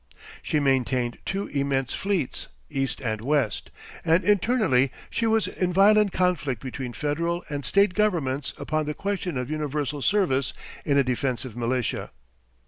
She maintained two immense fleets east and west, and internally she was in violent conflict between Federal and State governments upon the question of universal service in a defensive militia.